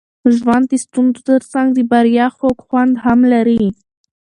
ژوند د ستونزو ترڅنګ د بریا خوږ خوند هم لري.